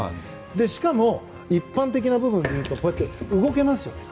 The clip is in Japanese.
しかも、一般的な部分でいうと動けますよね。